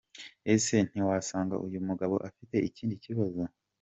Ese ntiwasanga uyu mugabo afite ikindi kibazo ?.